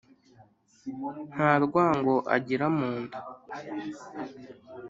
nta rwango agira mu nda.